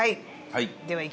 はい。